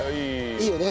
いいよね。